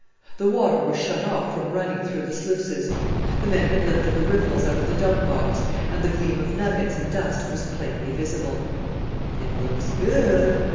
The water was shut off from running through the sluices. The men had lifted the riffles out of the dump box, and the gleam of nuggets and dust was plainly visible. "It looks good."